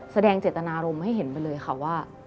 แสดงเจตนารมณ์ให้เห็นไปเลยค่ะว่า